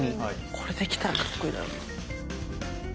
これできたらかっこいいだろうな。